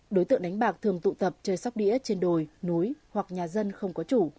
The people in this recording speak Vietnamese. đối tượng đánh bạc thường tụ tập chơi sóc đĩa trên đồi núi hoặc nhà dân không có chủ